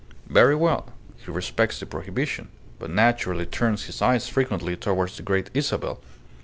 Very well. He respects the prohibition, but naturally turns his eyes frequently towards the Great Isabel.